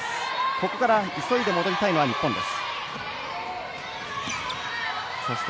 ここから急いで戻りたいのは日本です。